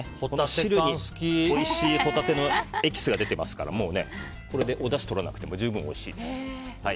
汁においしいホタテのエキスが出てますからもうこれで、おだしとらなくても十分おいしいです。